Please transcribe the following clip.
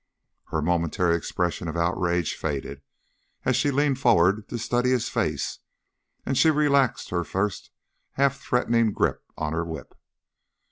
Her momentary expression of outrage faded as she leaned forward to study his face, and she relaxed her first half threatening grip on her whip.